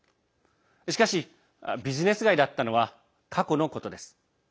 しかし、ビジネス街だったのは過去のことです。